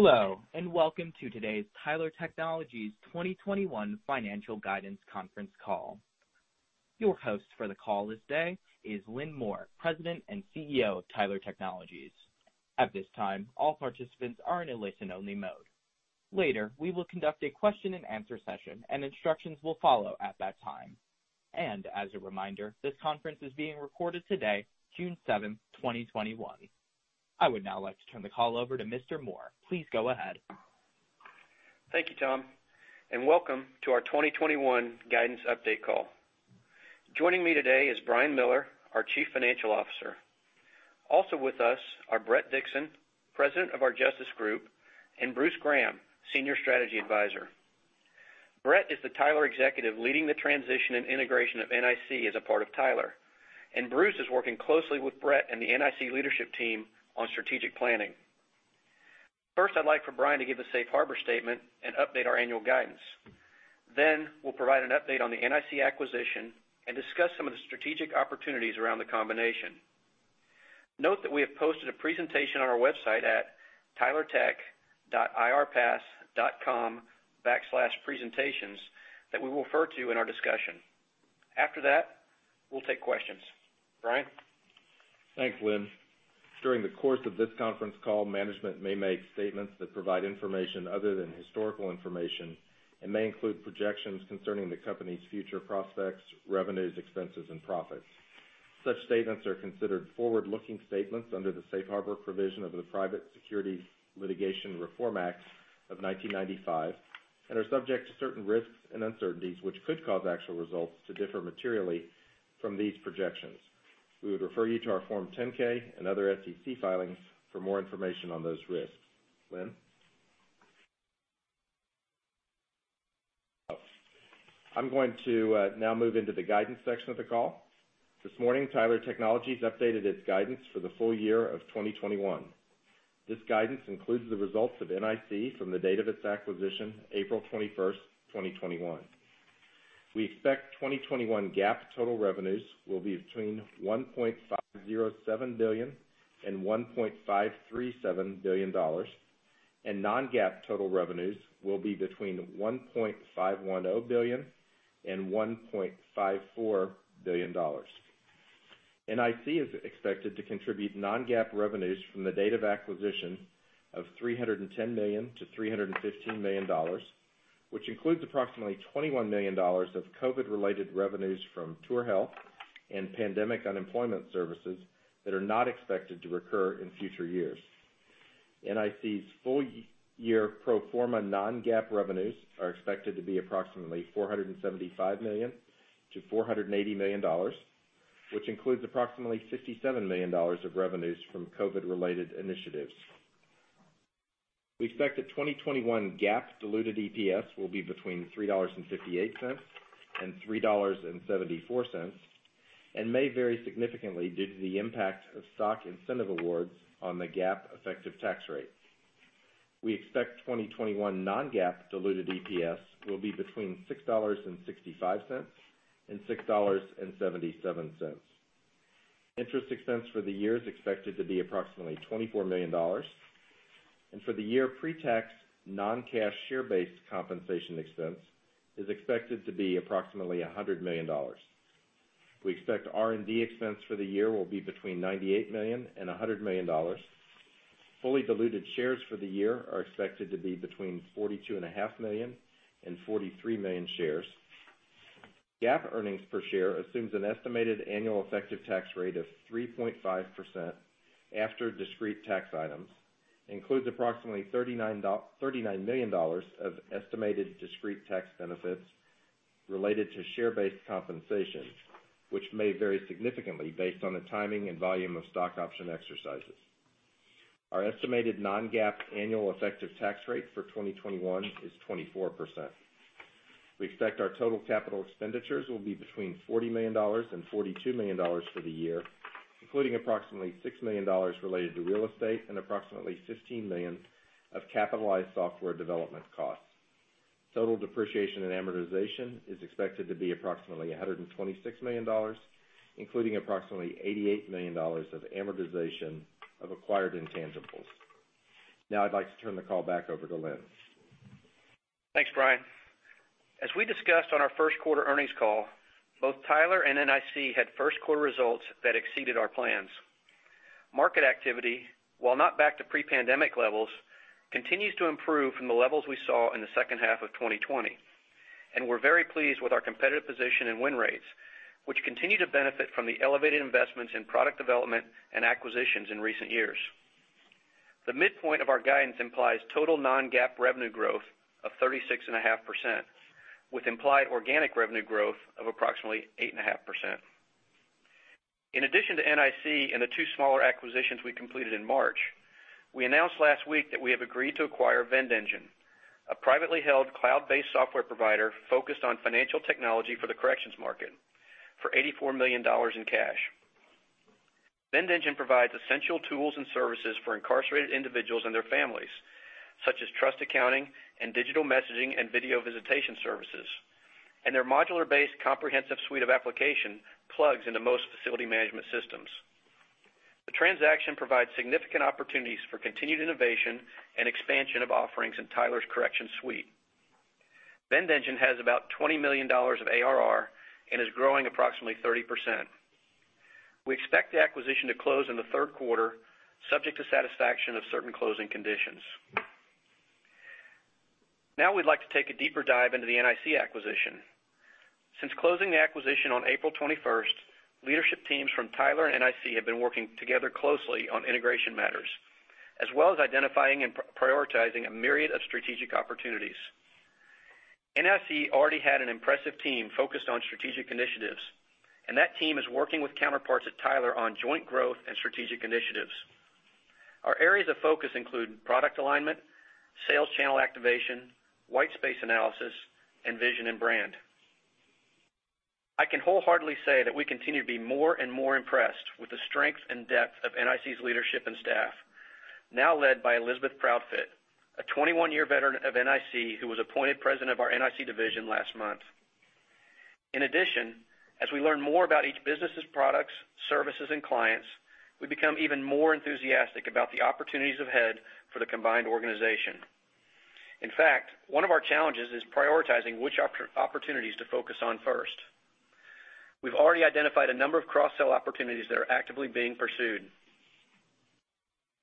Hello, welcome to today's Tyler Technologies 2021 financial guidance conference call. Your host for the call this day is Lynn Moore, President and CEO of Tyler Technologies. At this time, all participants are in a listen-only mode. Later, we will conduct a question and answer session, and instructions will follow at that time. As a reminder, this conference is being recorded today, June 7, 2021. I would now like to turn the call over to Mr. Moore. Please go ahead. Thank you, Tom, and welcome to our 2021 guidance update call. Joining me today is Brian Miller, our Chief Financial Officer. Also with us are Bret Dixon, President of our Justice Group, and Bruce Graham, Senior Strategy Advisor. Bret is the Tyler executive leading the transition and integration of NIC as a part of Tyler, and Bruce is working closely with Bret and the NIC leadership team on strategic planning. First, I'd like for Brian to give the Safe Harbor Statement and update our annual guidance. We'll provide an update on the NIC acquisition and discuss some of the strategic opportunities around the combination. Note that we have posted a presentation on our website at tylertech.com/investor-relations that we will refer to in our discussion. After that, we'll take questions. Brian? Thanks, Lynn. During the course of this conference call, management may make statements that provide information other than historical information and may include projections concerning the company's future prospects, revenues, expenses, and profits. Such statements are considered forward-looking statements under the safe harbor provision of the Private Securities Litigation Reform Act of 1995 and are subject to certain risks and uncertainties which could cause actual results to differ materially from these projections. We would refer you to our Form 10-K and other SEC filings for more information on those risks. Lynn? I'm going to now move into the guidance section of the call. This morning, Tyler Technologies updated its guidance for the full year of 2021. This guidance includes the results of NIC from the date of its acquisition, April 21st, 2021. We expect 2021 GAAP total revenues will be between $1.507 billion and $1.537 billion, and non-GAAP total revenues will be between $1.510 billion and $1.54 billion. NIC is expected to contribute non-GAAP revenues from the date of acquisition of $310 million-$315 million, which includes approximately $21 million of COVID-related revenues from TourHealth and pandemic unemployment services that are not expected to recur in future years. NIC's full-year pro forma non-GAAP revenues are expected to be approximately $475 million-$480 million, which includes approximately $57 million of revenues from COVID-related initiatives. We expect the 2021 GAAP diluted EPS will be between $3.58 and $3.74 and may vary significantly due to the impact of stock incentive awards on the GAAP effective tax rate. We expect 2021 non-GAAP diluted EPS will be between $6.65 and $6.77. Interest expense for the year is expected to be approximately $24 million. For the year, pre-tax non-cash share-based compensation expense is expected to be approximately $100 million. We expect R&D expense for the year will be between $98 million and $100 million. Fully diluted shares for the year are expected to be between 42.5 million and 43 million shares. GAAP earnings per share assumes an estimated annual effective tax rate of 3.5% after discrete tax items, includes approximately $39 million of estimated discrete tax benefits related to share-based compensation, which may vary significantly based on the timing and volume of stock option exercises. Our estimated non-GAAP annual effective tax rate for 2021 is 24%. We expect our total capital expenditures will be between $40 million and $42 million for the year, including approximately $6 million related to real estate and approximately $15 million of capitalized software development costs. Total depreciation and amortization is expected to be approximately $126 million, including approximately $88 million of amortization of acquired intangibles. Now I'd like to turn the call back over to Lynn. Thanks, Brian. As we discussed on our first quarter earnings call, both Tyler and NIC had first quarter results that exceeded our plans. Market activity, while not back to pre-pandemic levels, continues to improve from the levels we saw in the second half of 2020. We're very pleased with our competitive position and win rates, which continue to benefit from the elevated investments in product development and acquisitions in recent years. The midpoint of our guidance implies total non-GAAP revenue growth of 36.5%, with implied organic revenue growth of approximately 8.5%. In addition to NIC and the two smaller acquisitions we completed in March, we announced last week that we have agreed to acquire VendEngine, a privately held cloud-based software provider focused on financial technology for the corrections market, for $84 million in cash. VendEngine provides essential tools and services for incarcerated individuals and their families, such as trust accounting and digital messaging and video visitation services. Their modular-based comprehensive suite of application plugs into most facility management systems. The transaction provides significant opportunities for continued innovation and expansion of offerings in Tyler's correction suite. VendEngine has about $20 million of ARR and is growing approximately 30%. We expect the acquisition to close in the third quarter, subject to satisfaction of certain closing conditions. We'd like to take a deeper dive into the NIC acquisition. Since closing the acquisition on April 21st, leadership teams from Tyler and NIC have been working together closely on integration matters, as well as identifying and prioritizing a myriad of strategic opportunities. NIC already had an impressive team focused on strategic initiatives, and that team is working with counterparts at Tyler on joint growth and strategic initiatives. Our areas of focus include product alignment, sales channel activation, white space analysis, and vision and brand. I can wholeheartedly say that we continue to be more and more impressed with the strength and depth of NIC's leadership and staff, now led by Elizabeth Proudfit, a 21-year veteran of NIC who was appointed president of our NIC division last month. As we learn more about each business's products, services, and clients, we become even more enthusiastic about the opportunities ahead for the combined organization. One of our challenges is prioritizing which opportunities to focus on first. We've already identified a number of cross-sell opportunities that are actively being pursued.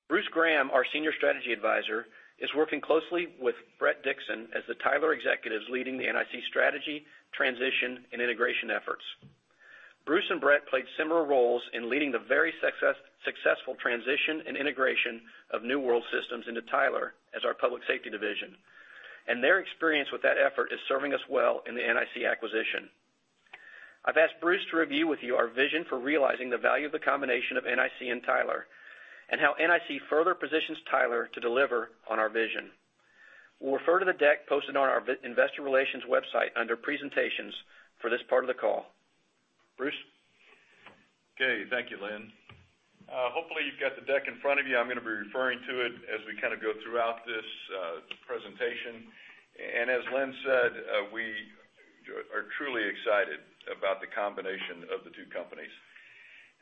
Bruce Graham, our senior strategy advisor, is working closely with Bret Dixon as the Tyler executive is leading the NIC strategy, transition, and integration efforts. Bruce and Bret played similar roles in leading the very successful transition and integration of New World Systems into Tyler Technologies as our public safety division, and their experience with that effort is serving us well in the NIC Inc. acquisition. I've asked Bruce to review with you our vision for realizing the value of the combination of NIC Inc. and Tyler Technologies, and how NIC Inc. further positions Tyler Technologies to deliver on our vision. We'll refer to the deck posted on our investor relations website under presentations for this part of the call. Bruce? Okay. Thank you, Lynn. Hopefully, you've got the deck in front of you. I'm going to be referring to it as we go throughout this presentation. As Lynn said, we are truly excited about the combination of the two companies.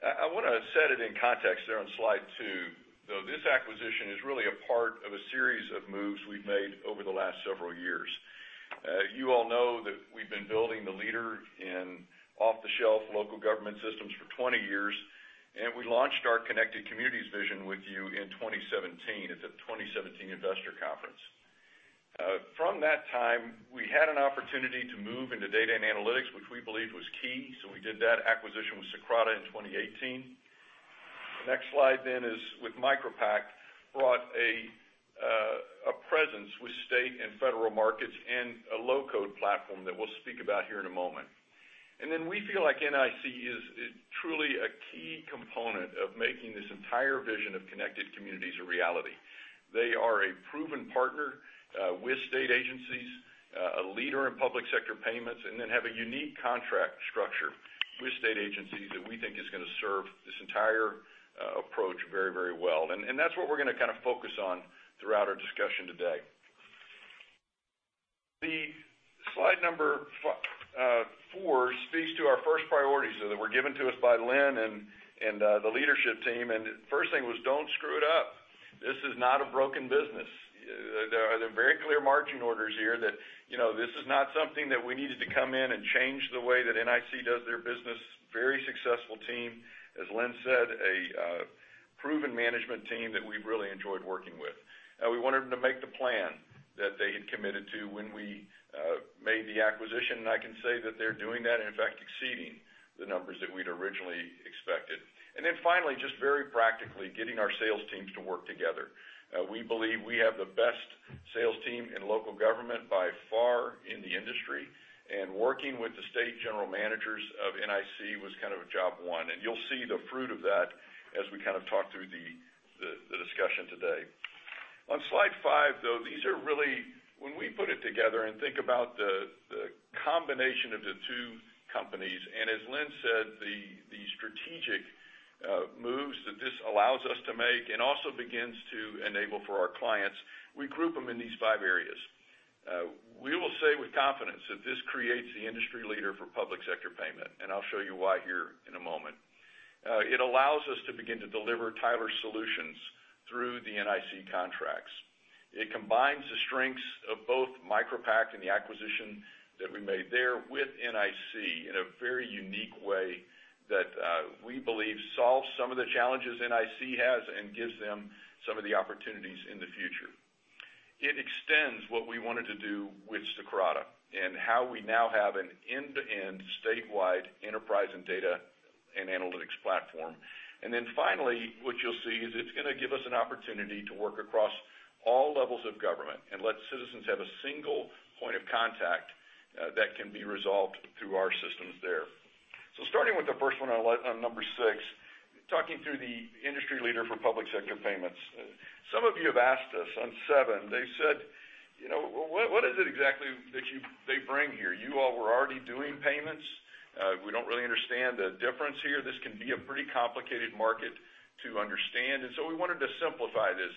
I want to set it in context there on slide 2, though this acquisition is really a part of a series of moves we've made over the last several years. You all know that we've been building the leader in off-the-shelf local government systems for 20 years. We launched our Connected Communities vision with you in 2017 at the 2017 investor conference. From that time, we had an opportunity to move into data and analytics, which we believed was key. We did that acquisition with Socrata in 2018. The next slide then is with MicroPact, brought a presence with state and federal markets and a low-code platform that we'll speak about here in a moment. Then we feel like NIC is truly a key component of making this entire vision of Connected Communities a reality. They are a proven partner with state agencies, a leader in public sector payments, and then have a unique contract structure with state agencies that we think is going to serve this entire approach very well. That's what we're going to focus on throughout our discussion today. The slide number 4 speaks to our first priorities that were given to us by Lynn and the leadership team. The first thing was, don't screw it up. This is not a broken business. There are very clear marching orders here that this is not something that we needed to come in and change the way that NIC does their business. Very successful team. As Lynn said, a proven management team that we've really enjoyed working with. We want them to make the plan that they had committed to when we made the acquisition, and I can say that they're doing that, in fact, exceeding the numbers that we'd originally expected. Finally, just very practically, getting our sales teams to work together. We believe we have the best sales team in local government by far in the industry, and working with the state general managers of NIC was job one. You'll see the fruit of that as we talk through the discussion today. On slide 5, though, when we put it together and think about the combination of the two companies, and as Lynn said, the strategic moves that this allows us to make and also begins to enable for our clients, we group them in these five areas. We will say with confidence that this creates the industry leader for public sector payment, and I'll show you why here in a moment. It allows us to begin to deliver Tyler solutions through the NIC contracts. It combines the strengths of both MicroPact and the acquisition that we made there with NIC in a very unique way that we believe solves some of the challenges NIC has and gives them some of the opportunities in the future. It extends what we wanted to do with Socrata and how we now have an end-to-end statewide enterprise and data and analytics platform. Then finally, what you'll see is it's going to give us an opportunity to work across all levels of government and let citizens have a single point of contact that can be resolved through our systems there. Starting with the first one on number 6, talking through the industry leader for public sector payments. Some of you have asked us on 7. They said, "What is it exactly that they bring here? You all were already doing payments." We don't really understand the difference here. This can be a pretty complicated market to understand, and so we wanted to simplify this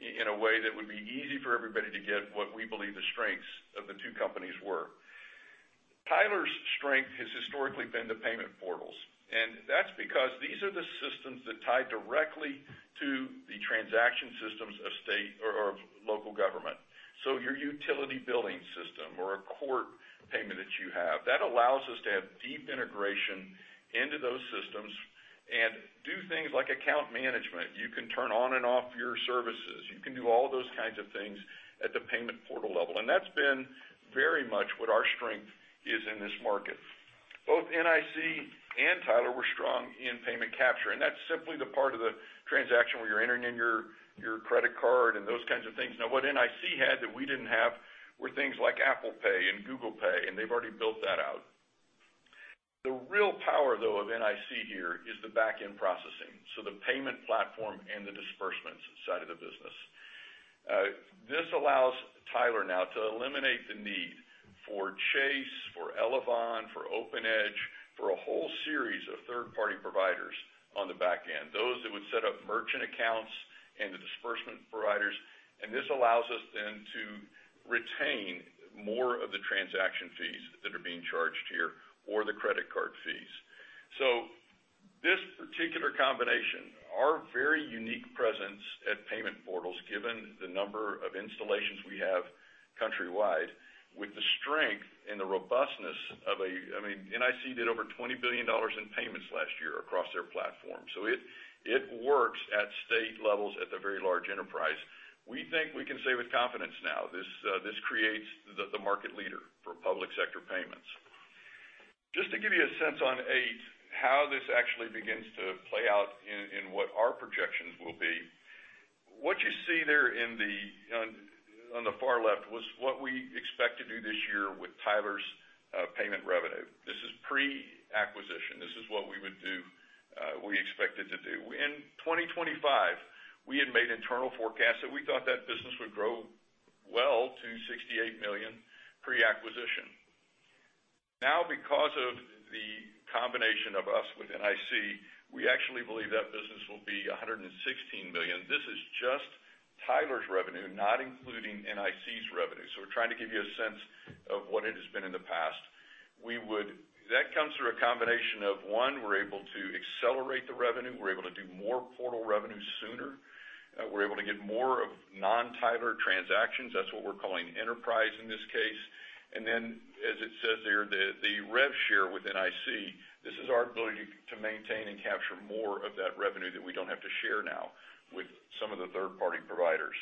in a way that would be easy for everybody to get what we believe the strengths of the two companies were. Tyler's strength has historically been the payment portals, and that's because these are the systems that tie directly to the transaction systems of state or local government. Your utility billing system or a court payment that you have, that allows us to have deep integration into those systems and do things like account management. You can turn on and off your services. You can do all those kinds of things at the payment portal level, and that's been very much what our strength is in this market. Both NIC and Tyler were strong in payment capture, and that's simply the part of the transaction where you're entering in your credit card and those kinds of things. What NIC had that we didn't have were things like Apple Pay and Google Pay, and they've already built that out. The real power, though, of NIC here is the backend processing, so the payment platform and the disbursements side of the business. This allows Tyler now to eliminate the need for Chase, for Elavon, for OpenEdge, for a whole series of third-party providers on the backend, those that would set up merchant accounts and the disbursement providers. This allows us then to retain more of the transaction fees that are being charged here or the credit card fees. This particular combination, our very unique presence at payment portals, given the number of installations we have countrywide, with the strength and the robustness of NIC did over $20 billion in payments last year across their platform. It works at state levels at the very large enterprise. We think we can say with confidence now, this creates the market leader for public sector payments. Just to give you a sense on 8, how this actually begins to play out in what our projections will be. What you see there on the far left was what we expect to do this year with Tyler's payment revenue. This is pre-acquisition. This is what we expected to do. In 2025, we had made internal forecasts that we thought that business would grow well to $68 million pre-acquisition. Because of the combination of us with NIC, we actually believe that business will be $116 million. This is just Tyler's revenue, not including NIC's revenue. We're trying to give you a sense of what it has been in the past. That comes through a combination of, one, we're able to accelerate the revenue. We're able to do more portal revenue sooner. We're able to get more of non-Tyler transactions. That's what we're calling enterprise in this case. As it says there, the rev share with NIC, this is our ability to maintain and capture more of that revenue that we don't have to share now with some of the third-party providers.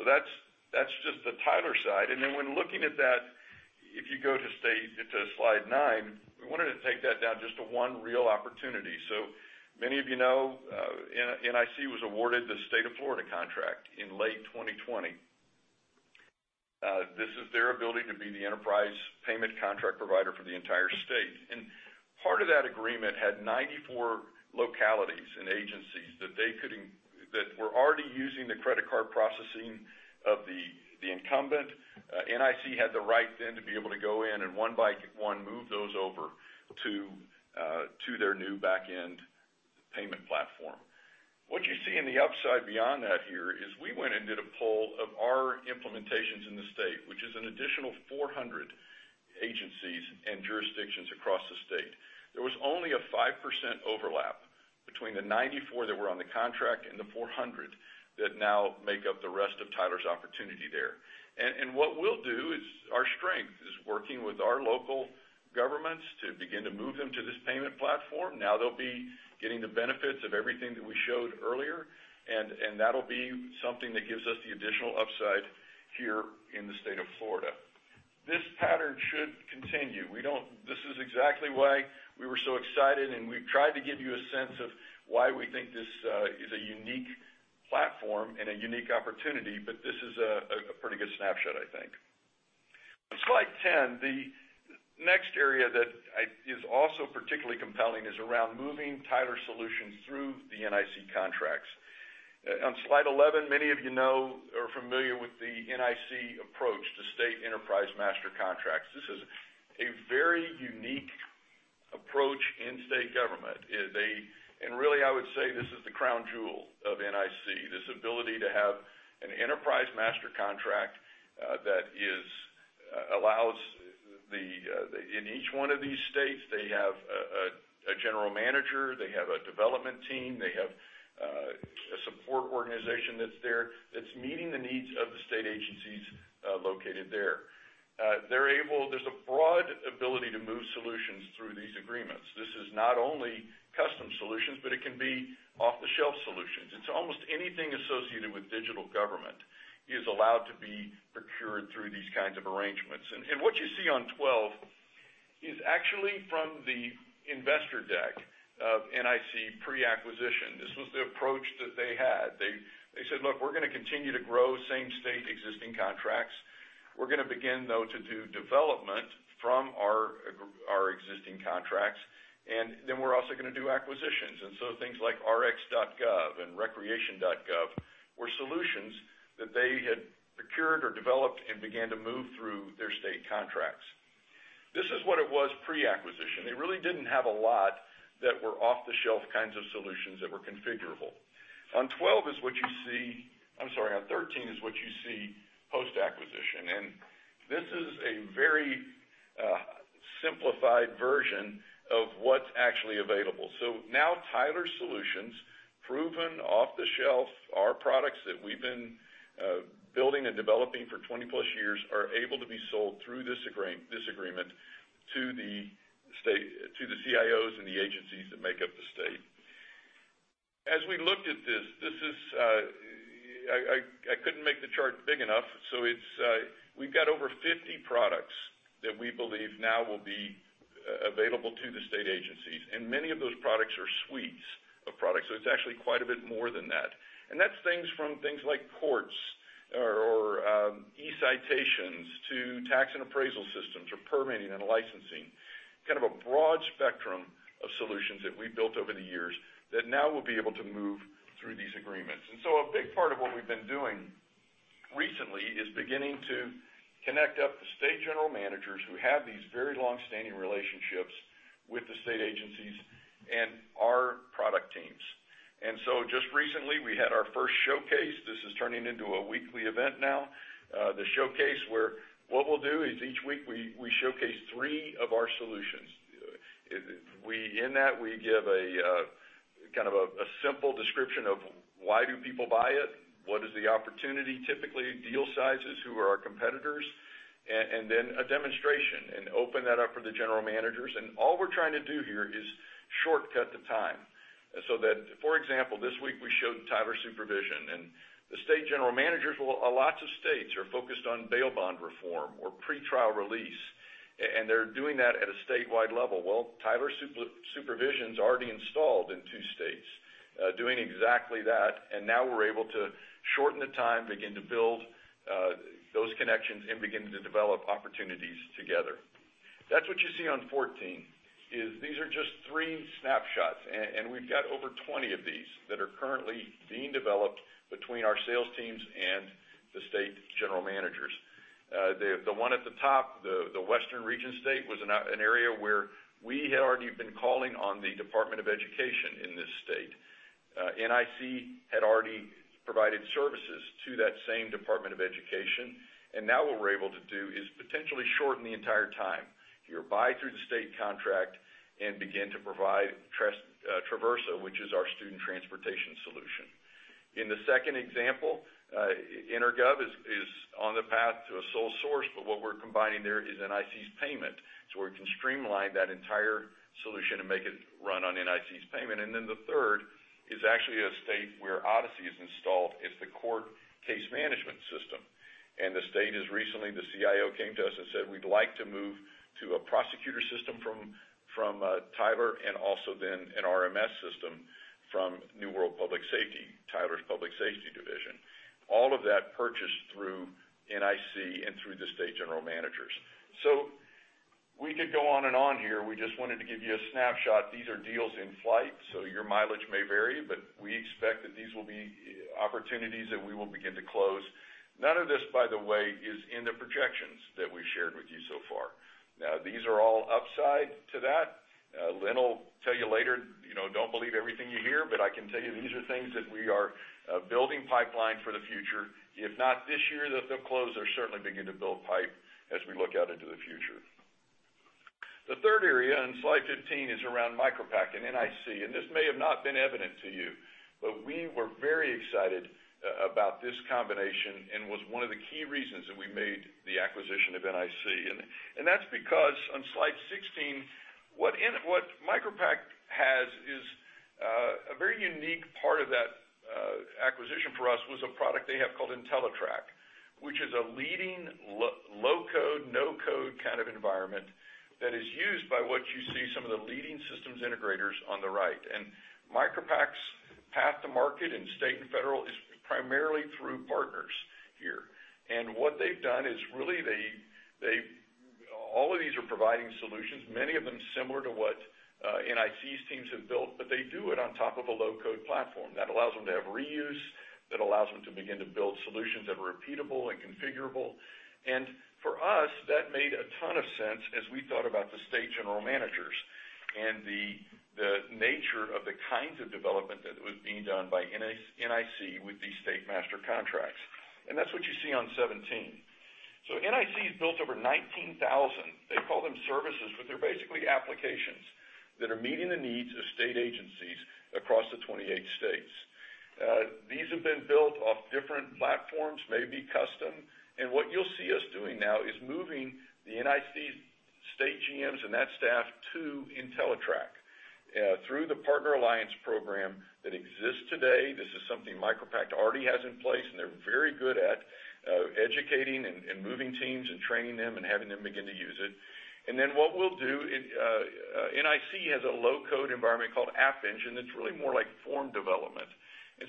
That's just the Tyler side. When looking at that, if you go to slide 9, we wanted to take that down just to one real opportunity. Many of you know NIC was awarded the State of Florida contract in late 2020. This is their ability to be the enterprise payment contract provider for the entire state. Part of that agreement had 94 localities and agencies that were already using the credit card processing of the incumbent. NIC had the right then to be able to go in and one by one, move those over to their new backend payment platform. What you see in the upside beyond that here is we went and did a poll of our implementations in the state, which is an additional 400 agencies and jurisdictions across the state. There was only a 5% overlap between the 94 that were on the contract and the 400 that now make up the rest of Tyler's opportunity there. What we'll do is our strength is working with our local governments to begin to move them to this payment platform. Now they'll be getting the benefits of everything that we showed earlier, and that'll be something that gives us the additional upside here in the state of Florida. This pattern should continue. This is exactly why we were so excited, and we've tried to give you a sense of why we think this is a unique platform and a unique opportunity, but this is a pretty good snapshot, I think. Slide 10. The next area that is also particularly compelling is around moving Tyler solutions through the NIC contracts. On slide 11, many of you are familiar with the NIC approach to state enterprise master contracts. This is a very unique approach in state government. Really, I would say this is the crown jewel of NIC, this ability to have an enterprise master contract that allows, in each one of these states, they have a general manager, they have a development team, they have a support organization that's there, that's meeting the needs of the state agencies located there. There's a broad ability to move solutions through these agreements. This is not only custom solutions, but it can be off-the-shelf solutions. It's almost anything associated with digital government is allowed to be procured through these kinds of arrangements. What you see on 12 is actually from the investor deck of NIC pre-acquisition. This was the approach that they had. They said, "Look, we're going to continue to grow same state existing contracts. We're going to begin, though, to do development from our existing contracts." Then we're also going to do acquisitions. Things like RxGov and Recreation.gov were solutions that they had procured or developed and began to move through their state contracts. This is what it was pre-acquisition. They really didn't have a lot that were off-the-shelf kinds of solutions that were configurable. On 13 is what you see post-acquisition. This is a very simplified version of what's actually available. Now Tyler Solutions, proven off the shelf, our products that we've been building and developing for 20+ years are able to be sold through this agreement to the CIOs and the agencies that make up the state. As we looked at this, I couldn't make the chart big enough. We've got over 50 products that we believe now will be available to the state agencies. Many of those products are suites of products. It's actually quite a bit more than that. That's things from things like courts or e-citations to tax and appraisal systems or permitting and licensing, kind of a broad spectrum of solutions that we've built over the years that now we'll be able to move through these agreements. A big part of what we've been doing recently is beginning to connect up the state general managers who have these very long-standing relationships with the state agencies and our product teams. Just recently, we had our first showcase. This is turning into a weekly event now. The showcase where what we'll do is each week we showcase three of our solutions. In that, we give a simple description of why do people buy it, what is the opportunity, typically deal sizes, who are our competitors, and then a demonstration and open that up for the general managers. All we're trying to do here is shortcut the time. That, for example, this week we showed Tyler Supervision and the state general managers, lots of states are focused on bail bond reform or pretrial release. They're doing that at a statewide level. Well, Tyler Supervision is already installed in two states, doing exactly that. Now we're able to shorten the time, begin to build those connections, and begin to develop opportunities together. That's what you see on 14 is these are just three snapshots, and we've got over 20 of these that are currently being developed between our sales teams and the state general managers. The one at the top, the Western region state, was an area where we had already been calling on the U.S. Department of Education in this state. NIC had already provided services to that same U.S. Department of Education. Now what we're able to do is potentially shorten the entire time here, buy through the state contract and begin to provide Traversa, which is our student transportation solution. In the second example, EnerGov is on the path to a sole source, but what we're combining there is NIC's payment. We can streamline that entire solution and make it run on NIC's payment. The third is actually a state where Odyssey is installed. It's the court case management system. The state has recently, the CIO came to us and said, "We'd like to move to a prosecutor system from Tyler and also then an RMS system from New World Public Safety," Tyler's public safety division. All of that purchased through NIC and through the state general managers. We could go on and on here. We just wanted to give you a snapshot. These are deals in flight, so your mileage may vary, but we expect that these will be opportunities that we will begin to close. None of this, by the way, is in the projections that we shared with you so far. These are all upside to that. Lynn will tell you later, don't believe everything you hear, but I can tell you these are things that we are building pipeline for the future. If not this year that they'll close, they're certainly beginning to build pipe as we look out into the future. The third area on slide 15 is around MicroPact and NIC. This may have not been evident to you, but we were very excited about this combination and was one of the key reasons that we made the acquisition of NIC. That's because on slide 16, what MicroPact has is a very unique part of that acquisition for us was a product they have called entellitrak, which is a leading low-code, no-code kind of environment that is used by what you see some of the leading systems integrators on the right. MicroPact's path to market in state and federal is primarily through partners here. What they've done is really all of these are providing solutions, many of them similar to what NIC's teams have built, but they do it on top of a low-code platform. That allows them to have reuse, that allows them to begin to build solutions that are repeatable and configurable. For us, that made a ton of sense as we thought about the state general managers and the nature of the kinds of development that was being done by NIC with these state master contracts. That's what you see on 17. NIC has built over 19,000, they call them services, but they're basically applications that are meeting the needs of state agencies across the 28 states. These have been built off different platforms, maybe custom. What you'll see us doing now is moving the NIC state GMs and that staff to entellitrak through the partner alliance program that exists today. This is something MicroPact already has in place, and they're very good at educating and moving teams and training them and having them begin to use it. What we'll do, NIC has a low-code environment called App Engine that's really more like form development.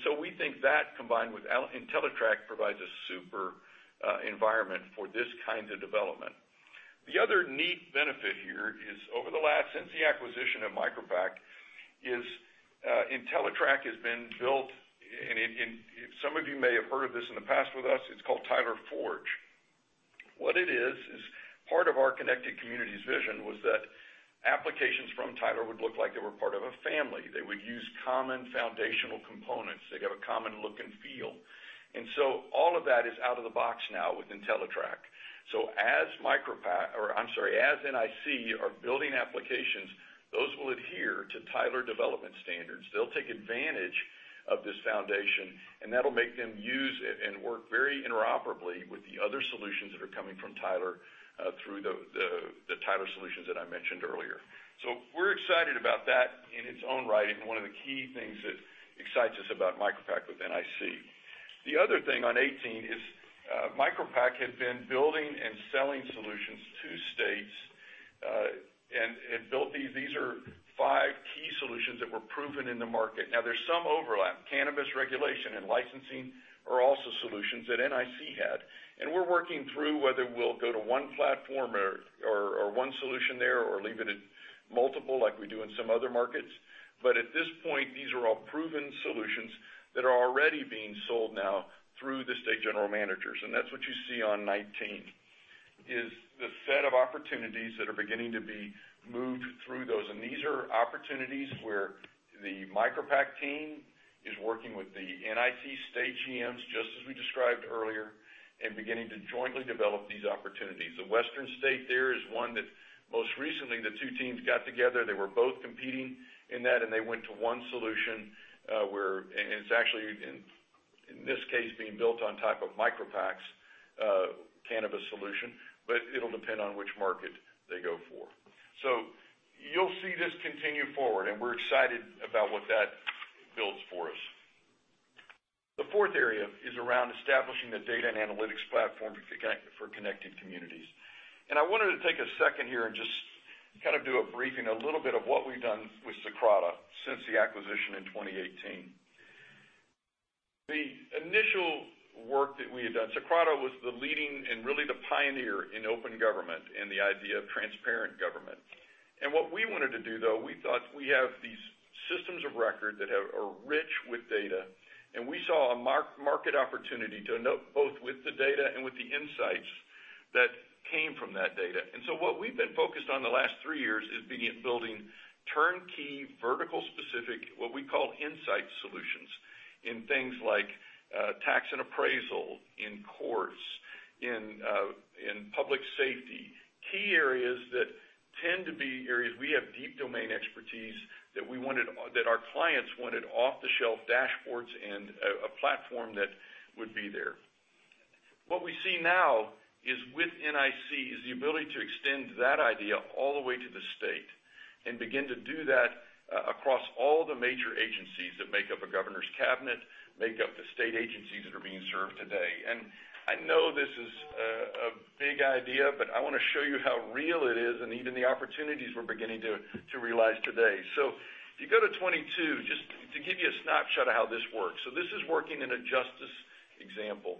We think that combined with entellitrak provides a super environment for this kind of development. The other neat benefit here is over the last, since the acquisition of MicroPact, entellitrak has been built, and some of you may have heard of this in the past with us, it's called Tyler Forge. What it is, part of our Connected Communities vision was that applications from Tyler would look like they were part of a family. They would use common foundational components. They got a common look and feel. All of that is out of the box now with entellitrak. As NIC are building applications, those will adhere to Tyler development standards. They'll take advantage of this foundation, and that'll make them use it and work very interoperably with the other solutions that are coming from Tyler through the Tyler solutions that I mentioned earlier. We're excited about that in its own right, and one of the key things that excites us about MicroPact with NIC. The other thing on 18 is MicroPact had been building and selling solutions to states, and built these. These are five key solutions that were proven in the market. There's some overlap. Cannabis regulation and licensing are also solutions that NIC had. We're working through whether we'll go to one platform or one solution there or leave it at multiple like we do in some other markets. At this point, these are all proven solutions that are already being sold now through the state general managers. That's what you see on 19, is the set of opportunities that are beginning to be moved through those. These are opportunities where the MicroPact team is working with the NIC state GMs, just as we described earlier, and beginning to jointly develop these opportunities. The western state there is one that most recently the two teams got together, they were both competing in that, and they went to one solution, where it's actually in this case being built on top of MicroPact's cannabis solution, but it'll depend on which market they go for. You'll see this continue forward and we're excited about what that builds for us. The fourth area is around establishing the data and analytics platform for Connected Communities. I wanted to take a second here and just do a briefing, a little bit of what we've done with Socrata since the acquisition in 2018. The initial work that we had done, Socrata was the leading and really the pioneer in open government and the idea of transparent government. What we wanted to do though, we thought we have these systems of record that are rich with data, and we saw a market opportunity to note both with the data and with the insights that came from that data. What we've been focused on the last three years is building turnkey, vertical specific, what we call insight solutions in things like tax and appraisal, in courts, in public safety, key areas that tend to be areas we have deep domain expertise that our clients wanted off-the-shelf dashboards and a platform that would be there. What we see now is with NIC is the ability to extend that idea all the way to the state and begin to do that across all the major agencies that make up a governor's cabinet, make up the state agencies that are being served today. I know this is a big idea, but I want to show you how real it is and even the opportunities we're beginning to realize today. If you go to 22, just to give you a snapshot of how this works. This is working in a justice example.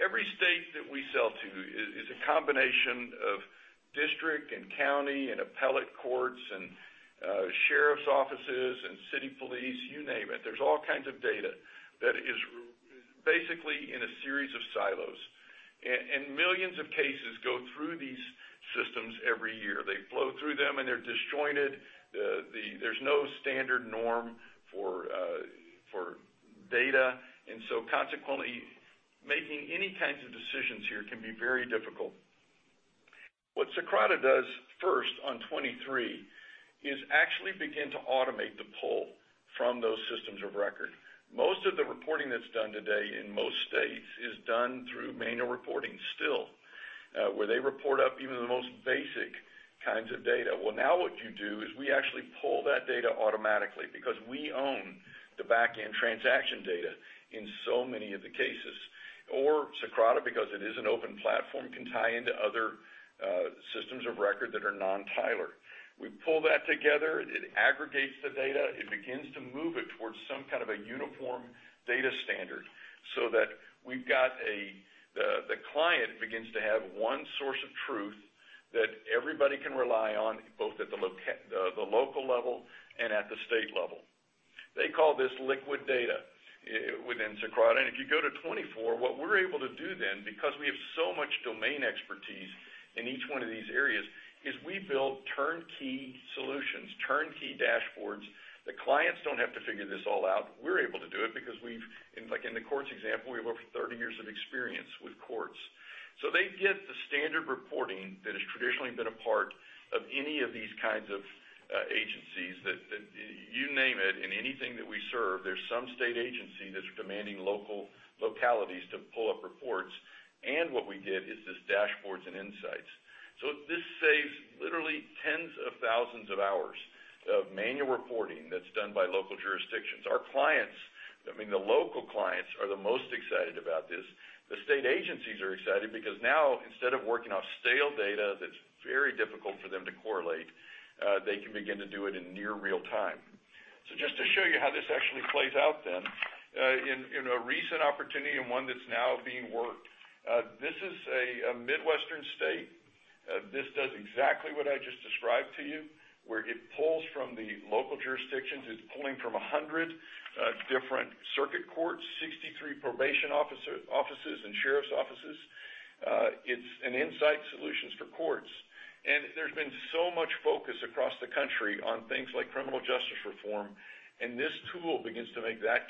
Every state that we sell to is a combination of district and county and appellate courts and sheriff's offices and city police, you name it. There's all kinds of data that is basically in a series of silos. Millions of cases go through these systems every year. They flow through them, and they're disjointed. There's no standard norm for data. Consequently, making any kinds of decisions here can be very difficult. What Socrata does first on 23 is actually begin to automate the pull from those systems of record. Most of the reporting that's done today in most states is done through manual reporting still, where they report up even the most basic kinds of data. Well, now what you do is we actually pull that data automatically because we own the back-end transaction data in so many of the cases. Socrata, because it is an open platform, can tie into other systems of record that are non-Tyler. We pull that together, it aggregates the data, it begins to move it towards some kind of a uniform data standard so that the client begins to have one source of truth that everybody can rely on, both at the local level and at the state level. They call this liquid data within Socrata. If you go to 24, what we're able to do then, because we have so much domain expertise in each one of these areas, is we build turnkey solutions, turnkey dashboards. The clients don't have to figure this all out. We're able to do it because we've, like in the courts example, we have over 30 years of experience with courts. They get the standard reporting that has traditionally been a part of any of these kinds of agencies that, you name it, in anything that we serve, there's some state agency that's demanding localities to pull up reports, and what we give is these dashboards and insights. This saves literally tens of thousands of hours of manual reporting that's done by local jurisdictions. Our clients, I mean, the local clients are the most excited about this. The state agencies are excited because now instead of working off stale data that's very difficult for them to correlate, they can begin to do it in near real time. Just to show you how this actually plays out then, in a recent opportunity and one that's now being worked. This is a Midwestern state. This does exactly what I just described to you, where it pulls from the local jurisdictions. It's pulling from 100 different circuit courts, 63 probation offices and sheriff's offices. It's an insight solutions for courts. There's been so much focus across the country on things like criminal justice reform. This tool begins to make The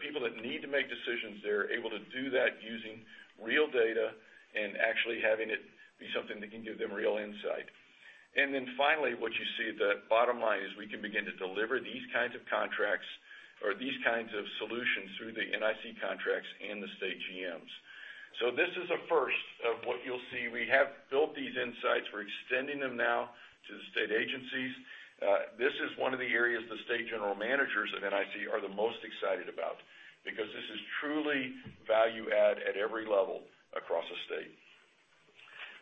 people that need to make decisions, they're able to do that using real data and actually having it be something that can give them real insight. Then finally, what you see at the bottom line is we can begin to deliver these kinds of contracts or these kinds of solutions through the NIC contracts and the state GMs. This is a first of what you'll see. We have built these insights. We're extending them now to the state agencies. This is one of the areas the state general managers of NIC are the most excited about because this is truly value add at every level across the state.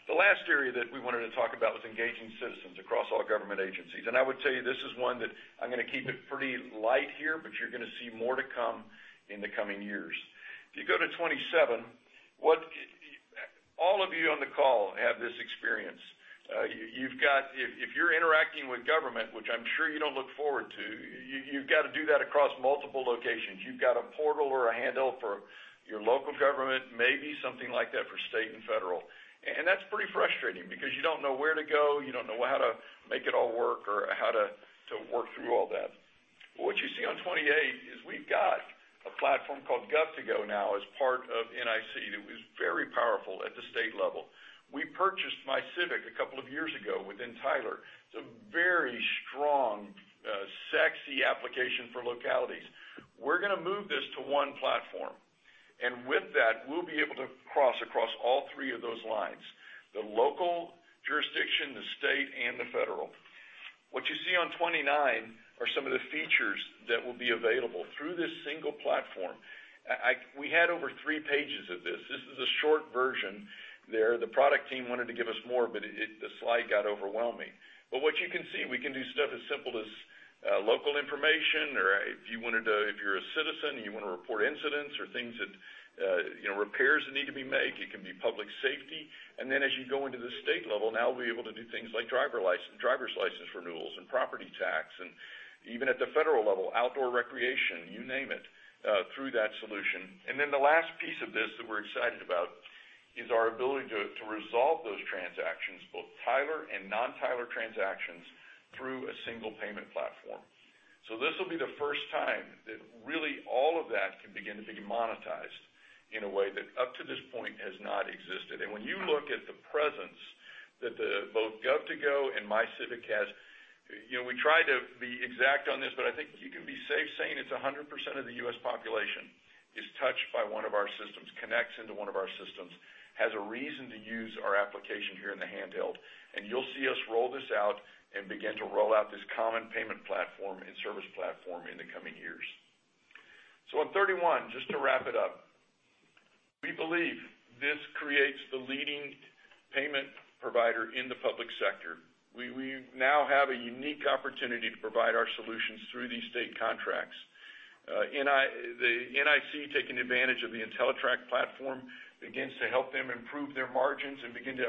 The last area that we wanted to talk about is engaging citizens across all government agencies. I would say this is one that I'm going to keep it pretty light here, but you're going to see more to come in the coming years. If you go to 27, all of you on the call have this experience. If you're interacting with government, which I'm sure you don't look forward to, you've got to do that across multiple locations. You've got a portal or a handheld for your local government, maybe something like that for state and federal. That's pretty frustrating because you don't know where to go. You don't know how to make it all work or how to work through all that. What you see on 28 is we've got a platform called Gov2Go now as part of NIC that is very powerful at the state level. We purchased MyCivic a couple of years ago within Tyler. It's a very strong, sexy application for localities. We're going to move this to one platform, and with that, we'll be able to cross across all three of those lines, the local jurisdiction, the state, and the federal. What you see on 29 are some of the features that will be available through this single platform. We had over three pages of this. This is a short version there. The product team wanted to give us more, the slide got overwhelming. What you can see, we can do stuff as simple as local information, or if you're a citizen, you want to report incidents or repairs that need to be made. It can be public safety. As you go into the state level, now we'll be able to do things like driver's license renewals and property tax. Even at the federal level, outdoor recreation, you name it, through that solution. The last piece of this that we're excited about is our ability to resolve those transactions, both Tyler and non-Tyler transactions, through a single payment platform. This will be the first time that really all of that can begin to be monetized in a way that up to this point has not existed. When you look at the presence that both Gov2Go and MyCivic has, we try to be exact on this, but I think you can be safe saying it's 100% of the U.S. population is touched by one of our systems, connects into one of our systems, has a reason to use our application here in the handheld. You'll see us roll this out and begin to roll out this common payment platform and service platform in the coming years. On 31, just to wrap it up, we believe this creates the leading payment provider in the public sector. We now have a unique opportunity to provide our solutions through these state contracts. The NIC taking advantage of the entellitrak platform begins to help them improve their margins and begin to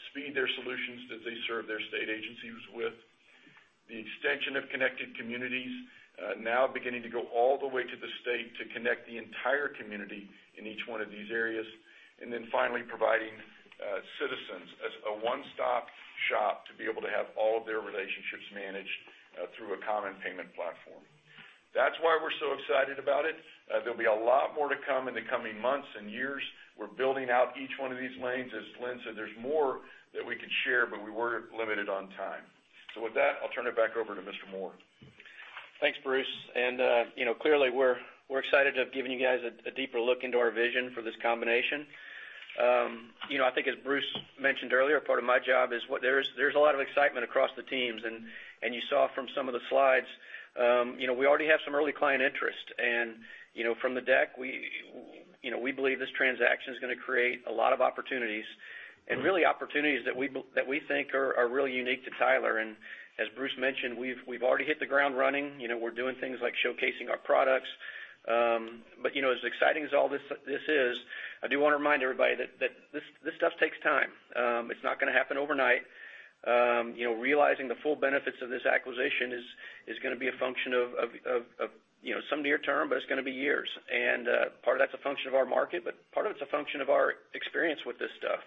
help speed their solutions that they serve their state agencies with. The extension of Connected Communities now beginning to go all the way to the state to connect the entire community in each one of these areas. Finally providing citizens a one-stop shop to be able to have all their relationships managed through a common payment platform. That's why we're so excited about it. There'll be a lot more to come in the coming months and years. We're building out each one of these lanes. As Lynn said, there's more that we could share, but we were limited on time. With that, I'll turn it back over to Mr. Moore. Thanks, Bruce. Clearly, we're excited to have given you guys a deeper look into our vision for this combination. I think as Bruce mentioned earlier, part of my job is there's a lot of excitement across the teams. You saw from some of the slides we already have some really client interest. From the deck, we believe this transaction is going to create a lot of opportunities and really opportunities that we think are really unique to Tyler. As Bruce mentioned, we've already hit the ground running. We're doing things like showcasing our products. As exciting as all this is, I do want to remind everybody that this stuff takes time. It's not going to happen overnight. Realizing the full benefits of this acquisition is going to be a function of some near term, but it's going to be years. Part of that's a function of our market, but part of it's a function of our experience with this stuff.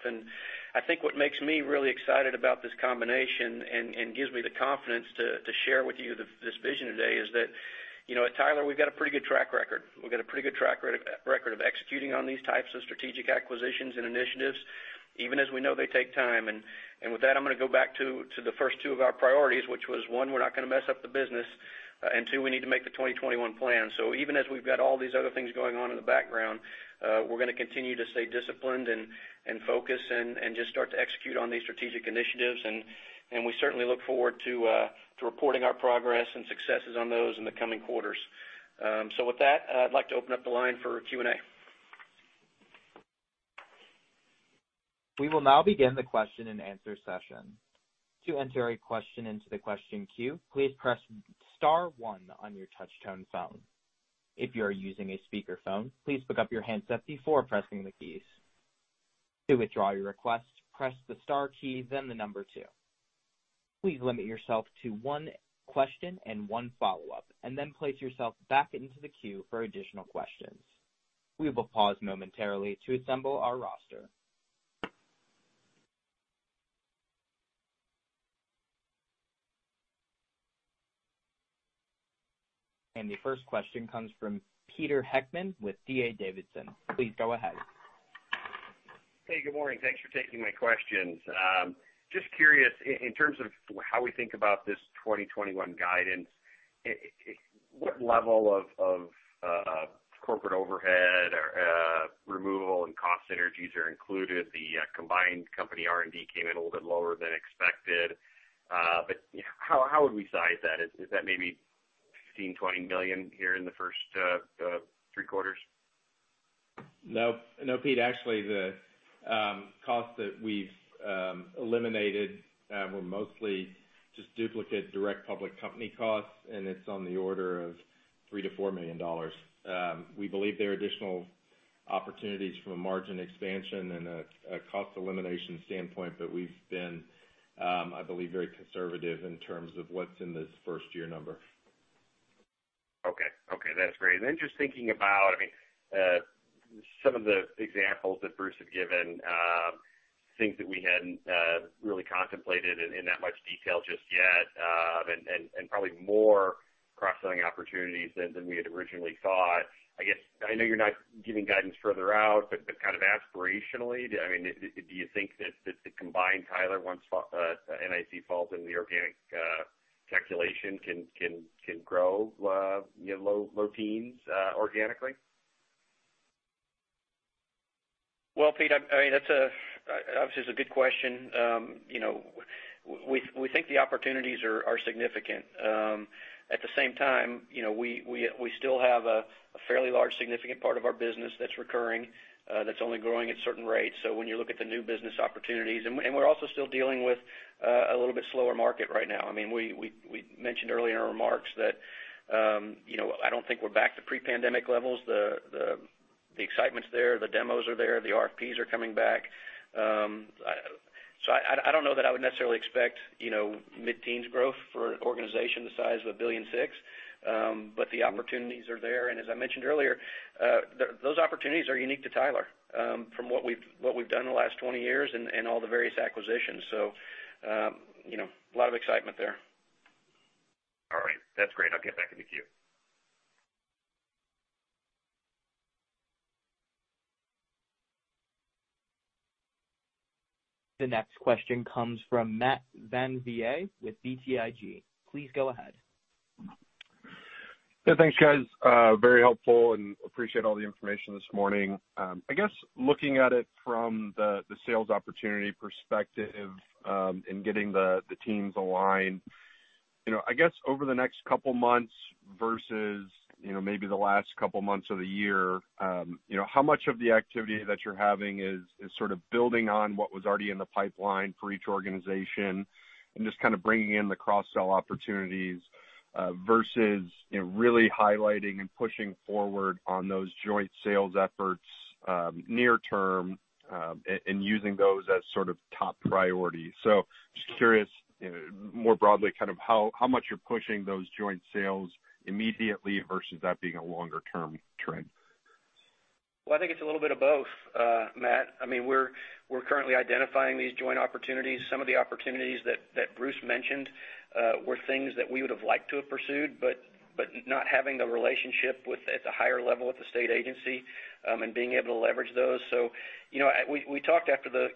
I think what makes me really excited about this combination and gives me the confidence to share with you this vision today is that at Tyler, we've got a pretty good track record. We've got a pretty good track record of executing on these types of strategic acquisitions and initiatives, even as we know they take time. With that, I'm going to go back to the first two of our priorities, which was, one, we're not going to mess up the business, and two, we need to make the 2021 plan. Even as we've got all these other things going on in the background, we're going to continue to stay disciplined and focus and just start to execute on these strategic initiatives. We certainly look forward to reporting our progress and successes on those in the coming quarters. With that, I'd like to open up the line for Q&A. We will now begin the question and answer session. To enter a question into the question queue, please press star one on your touch-tone phone. If you are using a speakerphone, please pick up your handset before pressing the keys. To withdraw your request, press the star key, then the number two. Please limit yourself to one question and one follow-up, then place yourself back into the queue for additional questions. We will pause momentarily to assemble our roster. The first question comes from Peter Heckmann with D.A. Davidson. Please go ahead. Hey, good morning. Thanks for taking my questions. Just curious, in terms of how we think about this 2021 guidance, what level of corporate overhead removal and cost synergies are included? The combined company R&D came in a little bit lower than expected. How would we size that? Is that maybe $15 million, $20 million here in the first three quarters? No, Peter, actually the costs that we've eliminated were mostly just duplicate direct public company costs, and it's on the order of $3 million-$4 million. We believe there are additional opportunities for margin expansion and a cost elimination standpoint that we've been, I believe, very conservative in terms of what's in this first-year number. Okay. That's great. Just thinking about some of the examples that Bruce Graham had given, things that we hadn't really contemplated in that much detail just yet, and probably more cross-selling opportunities than we had originally thought. I know you're not giving guidance further out, but kind of aspirationally, do you think that the combined Tyler Technologies, once NIC Inc. falls into the organic calculation, can grow low teens organically? Well, Peter, obviously that's a good question. We think the opportunities are significant. At the same time, we still have a fairly large, significant part of our business that's recurring, that's only growing at certain rates. When you look at the new business opportunities, and we're also still dealing with a little bit slower market right now. We mentioned earlier in our remarks that I don't think we're back to pre-pandemic levels. The excitement's there, the demos are there, the RFPs are coming back. I don't know that I would necessarily expect mid-teens growth for an organization the size of $1.6 billion. But the opportunities are there, and as I mentioned earlier, those opportunities are unique to Tyler from what we've done the last 20 years and all the various acquisitions. A lot of excitement there. All right. That's great. I'll get back in the queue. The next question comes from Matt VanVliet with BTIG. Please go ahead. Yeah, thanks, guys. Very helpful and appreciate all the information this morning. I guess looking at it from the sales opportunity perspective, and getting the teams aligned. I guess over the next couple of months versus maybe the last couple of months of the year, how much of the activity that you're having is sort of building on what was already in the pipeline for each organization and just kind of bringing in the cross-sell opportunities versus really highlighting and pushing forward on those joint sales efforts near term, and using those as sort of top priority? Just curious more broadly, how much you're pushing those joint sales immediately versus that being a longer-term trend? Well, I think it's a little bit of both, Matt. We're currently identifying these joint opportunities. Some of the opportunities that Bruce mentioned were things that we would have liked to have pursued, but not having a relationship at the higher level with the state agency, and being able to leverage those. We talked after the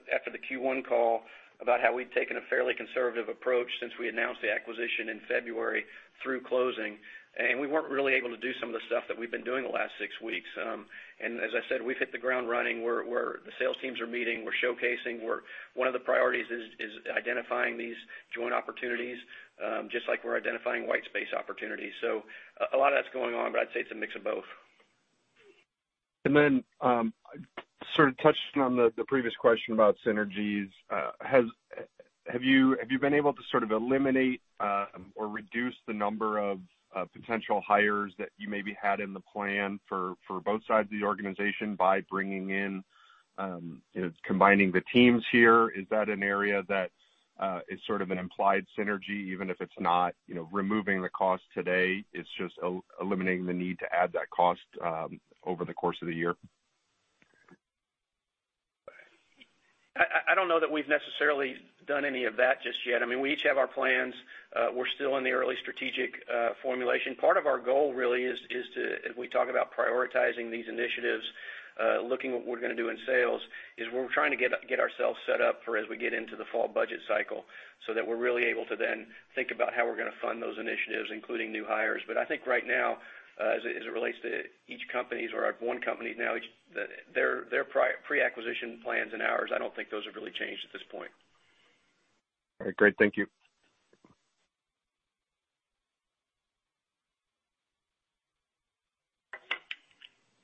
Q1 call about how we've taken a fairly conservative approach since we announced the acquisition in February through closing, and we weren't really able to do some of the stuff that we've been doing the last six weeks. As I said, we've hit the ground running. The sales teams are meeting. We're showcasing. One of the priorities is identifying these joint opportunities, just like we're identifying white space opportunities. A lot of that's going on, but I'd say it's a mix of both. Then sort of touched on the previous question about synergies. Have you been able to sort of eliminate or reduce the number of potential hires that you maybe had in the plan for both sides of the organization by combining the teams here? Is that an area that is sort of an implied synergy, even if it's not removing the cost today, it's just eliminating the need to add that cost over the course of the year? I don't know that we've necessarily done any of that just yet. We each have our plans. We're still in the early strategic formulation. Part of our goal really is just, as we talk about prioritizing these initiatives, looking at what we're going to do in sales, is we're trying to get ourselves set up for as we get into the fall budget cycle so that we're really able to then think about how we're going to fund those initiatives, including new hires. I think right now, as it relates to each company or one company now, their pre-acquisition plans and ours, I don't think those have really changed at this point. All right, great. Thank you.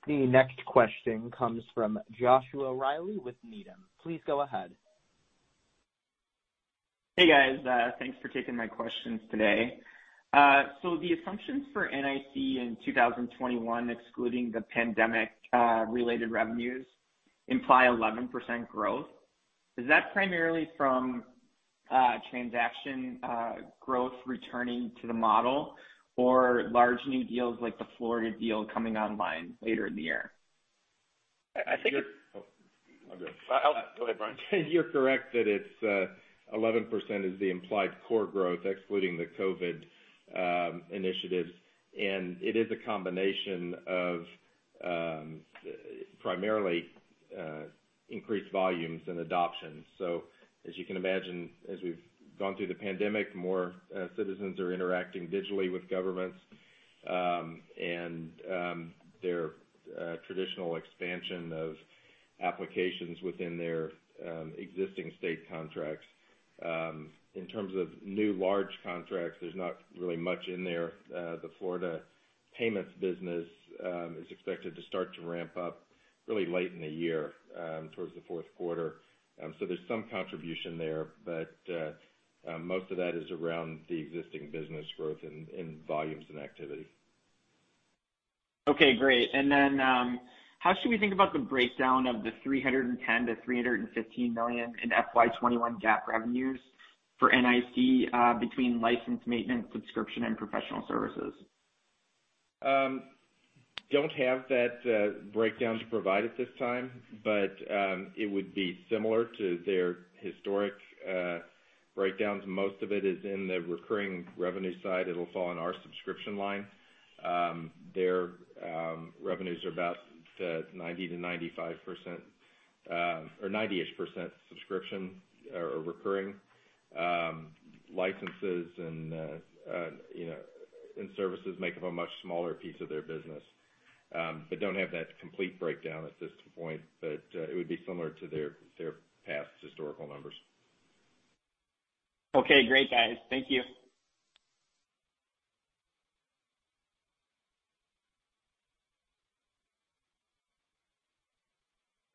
The next question comes from Joshua Reilly with Needham. Please go ahead. Hey, guys. Thanks for taking my questions today. The assumptions for NIC in 2021, excluding the pandemic-related revenues, imply 11% growth. Is that primarily from transaction growth returning to the model or large new deals like the Florida deal coming online later in the year? I think you're correct that 11% is the implied core growth excluding the COVID initiatives, and it is a combination of primarily increased volumes and adoption. As you can imagine, as we've gone through the pandemic, more citizens are interacting digitally with governments, and their traditional expansion of applications within their existing state contracts. In terms of new large contracts, there's not really much in there. The Florida payments business is expected to start to ramp up really late in the year, towards the fourth quarter. There's some contribution there, but most of that is around the existing business growth in volumes and activity. Okay, great. Then how should we think about the breakdown of the $310 million-$315 million in FY 2021 GAAP revenues for NIC between license maintenance, subscription, and professional services? Don't have that breakdown to provide at this time, but it would be similar to their historic breakdowns. Most of it is in the recurring revenue side. It'll fall on our subscription line. Their revenues are about 90%-95% or 98% subscription or recurring. Licenses and services make up a much smaller piece of their business. Don't have that complete breakdown at this point, but it would be similar to their past historical numbers. Okay, great, guys. Thank you.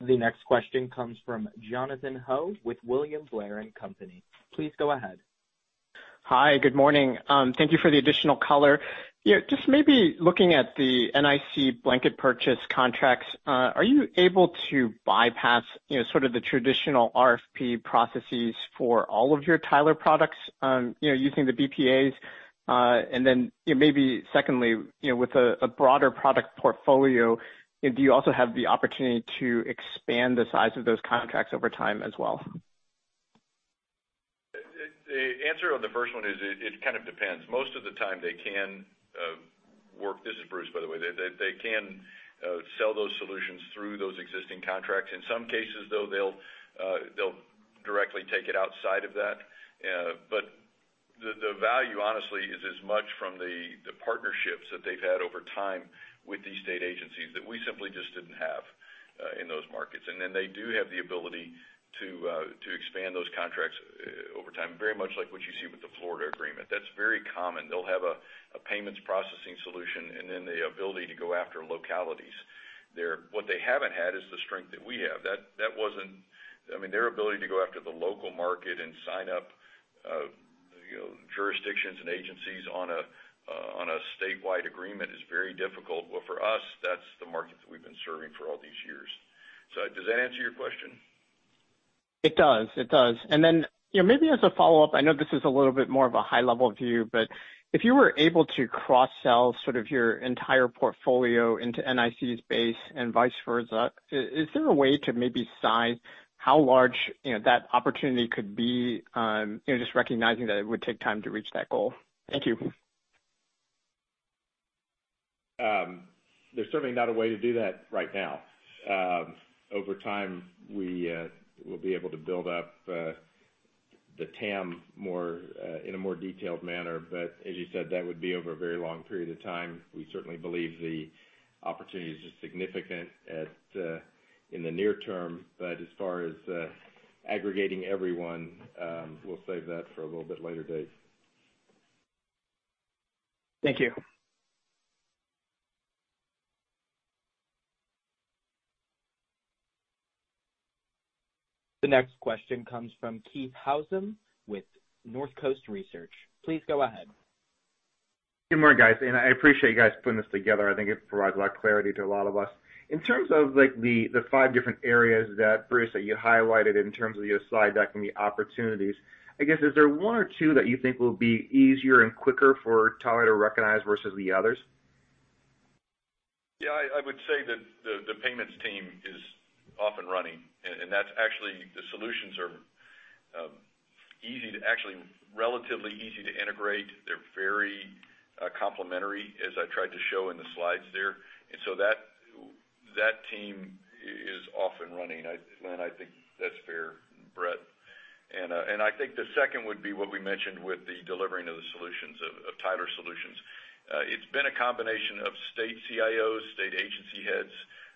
The next question comes from Jonathan Ho with William Blair & Company. Please go ahead. Hi, good morning. Thank you for the additional color. Just maybe looking at the NIC blanket purchase contracts, are you able to bypass the traditional RFP processes for all of your Tyler products using the BPAs? Maybe secondly, with a broader product portfolio, do you also have the opportunity to expand the size of those contracts over time as well? The answer on the first one is it kind of depends. Most of the time they can work. This is Bruce, by the way. They can sell those solutions through those existing contracts. In some cases, though, they'll directly take it outside of that. The value, honestly, is as much from the partnerships that they've had over time with these state agencies that we simply just didn't have in those markets. They do have the ability to expand those contracts over time, very much like what you see with the Florida agreement. That's very common. They'll have a payments processing solution and then the ability to go after localities. What they haven't had is the strength that we have. Their ability to go after the local market and sign up jurisdictions and agencies on a statewide agreement is very difficult. For us, that's the market that we've been serving for all these years. Does that answer your question? It does. Maybe as a follow-up, I know this is a little bit more of a high-level view, but if you were able to cross-sell your entire portfolio into NIC and vice versa, is there a way to maybe size how large that opportunity could be, just recognizing that it would take time to reach that goal? Thank you. There's certainly not a way to do that right now. Over time, we'll be able to build up the TAM in a more detailed manner. As you said, that would be over a very long period of time. We certainly believe the opportunities are significant in the near term, but as far as aggregating everyone, we'll save that for a little bit later date. Thank you. The next question comes from Keith Housum with Northcoast Research. Please go ahead. Good morning, guys. I appreciate you guys putting this together. I think it provides a lot of clarity to a lot of us. In terms of the five different areas that, Bruce, that you highlighted in terms of your slide deck and the opportunities, I guess is there one or two that you think will be easier and quicker for Tyler to recognize versus the others? Yeah, I would say the payments team is off and running, that's actually the solutions are relatively easy to integrate. They're very complementary, as I tried to show in the slides there. That team is off and running, I think that's fair, Bret. I think the second would be what we mentioned with the delivering of the solutions, of Tyler solutions. It's been a combination of state CIOs, state agency heads,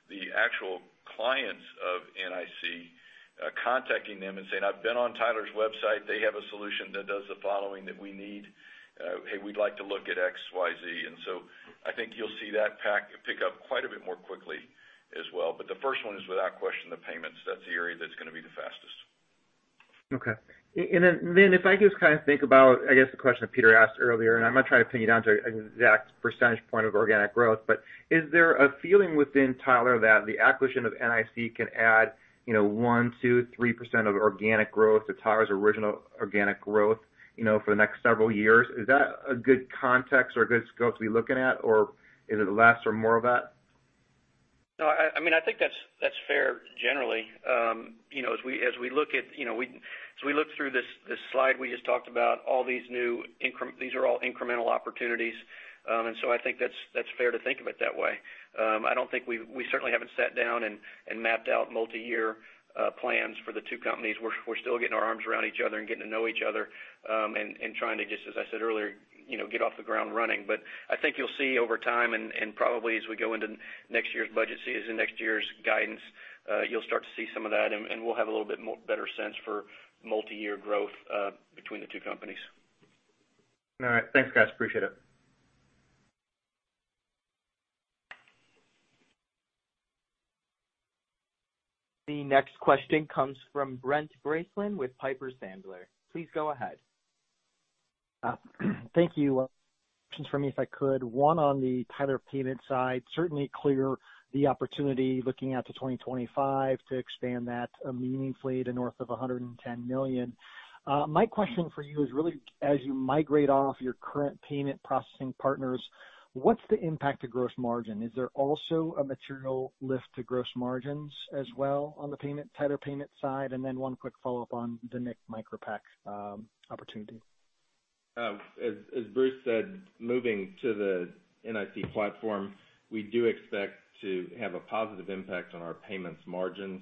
the actual clients of NIC contacting them and saying, "I've been on Tyler's website. They have a solution that does the following that we need. Hey, we'd like to look at XYZ." I think you'll see that pace pick up quite a bit more quickly as well. The first one is without question the payments. That's the area that's going to be the fastest. Okay. And then if I just think about, I guess the question Peter asked earlier, and I'm going to try to pin you down to an exact percentage point of organic growth, but is there a feeling within Tyler that the acquisition of NIC can add one, two, 3% of organic growth to Tyler's original organic growth for the next several years? Is that a good context or a good scope to be looking at, or is it less or more of that? No, I think that's fair generally. As we look through this slide we just talked about, all these are all incremental opportunities. I think that's fair to think of it that way. We certainly haven't sat down and mapped out multi-year plans for the two companies. We're still getting our arms around each other and getting to know each other, and trying to just, as I said earlier, get off the ground running. I think you'll see over time, and probably as we go into next year's budget season, next year's guidance, you'll start to see some of that, and we'll have a little bit more better sense for multi-year growth between the two companies. All right. Thanks, guys. Appreciate it. The next question comes from Brent Bracelin with Piper Sandler. Please go ahead. Thank you. Two questions for me if I could. One on the Tyler payment side, certainly clear the opportunity looking out to 2025 to expand that meaningfully to north of $110 million. My question for you is really as you migrate off your current payment processing partners, what's the impact to gross margin? Is there also a material lift to gross margins as well on the Tyler payment side? One quick follow-up on the NIC MicroPact opportunity. As Bruce said, moving to the NIC platform, we do expect to have a positive impact on our payments margins,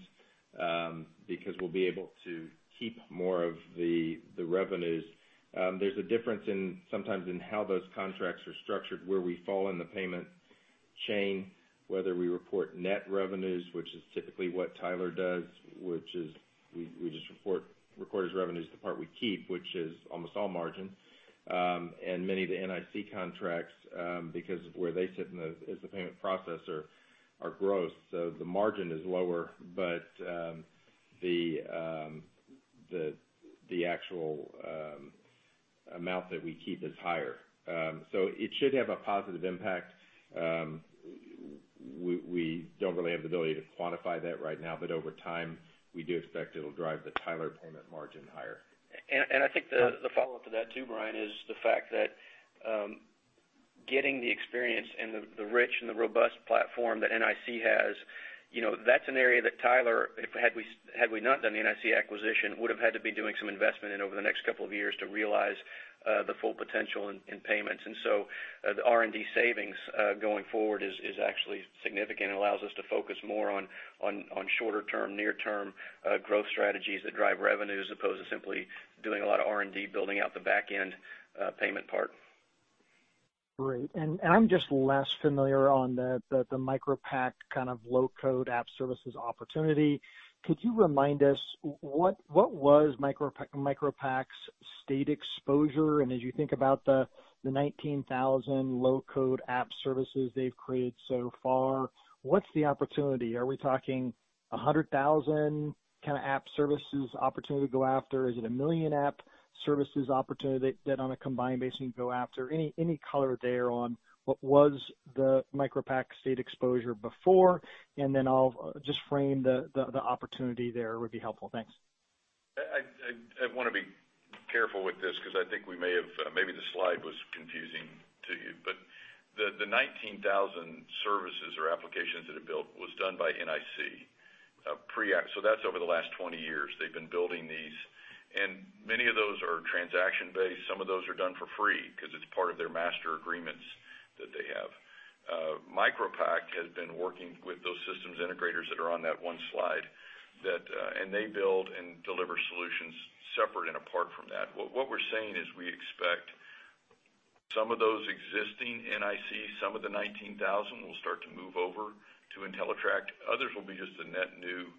because we'll be able to keep more of the revenues. There's a difference sometimes in how those contracts are structured, where we fall in the payment chain, whether we report net revenues, which is typically what Tyler does, which is we just report recorded revenues, the part we keep, which is almost all margin. Many of the NIC contracts, because of where they sit in as the payment processor are gross. The margin is lower, but the actual amount that we keep is higher. It should have a positive impact. We don't really have the ability to quantify that right now, but over time, we do expect it'll drive the Tyler payment margin higher. I think the follow-up to that too, Brian, is the fact that getting the experience and the rich and the robust platform that NIC has, that's an area that Tyler, had we not done the NIC acquisition, would've had to be doing some investment in over the next couple of years to realize the full potential in payments. The R&D savings going forward is actually significant and allows us to focus more on shorter-term, near-term growth strategies that drive revenues as opposed to simply doing a lot of R&D building out the back end payment part. Great. I'm just less familiar on the MicroPact low-code app services opportunity. Could you remind us what was MicroPact's state exposure? As you think about the 19,000 low-code app services they've created so far, what's the opportunity? Are we talking 100,000 app services opportunity to go after? Is it a million app services opportunity that on a combined basis you go after? Any color there on what was the MicroPact state exposure before, and then I'll just frame the opportunity there would be helpful. Thanks. I want to be careful with this because I think maybe the slide was confusing to you. The 19,000 services or applications that are built was done by NIC pre-acq. That's over the last 20 years they've been building these, and many of those are transaction-based. Some of those are done for free because it's part of their master agreements that they have. MicroPact has been working with those systems integrators that are on that one slide, and they build and deliver solutions separate and apart from that. What we're saying is we expect some of those existing NIC, some of the 19,000 will start to move over to entellitrak. Others will be just the net new